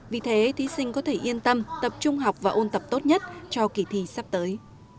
vì thế thí sinh có thể yên tâm tập trung học và ôn tập tốt nhất cho kỳ thi sắp tới